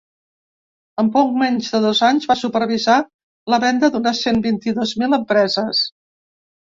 En poc menys de dos anys va supervisar la venda d’unes cent vint-i-dos mil empreses.